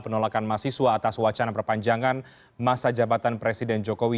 penolakan mahasiswa atas wacana perpanjangan masa jabatan presiden jokowi